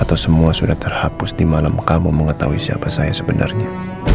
atau semua sudah terhapus di malam kamu mengetahui siapa saya sebenarnya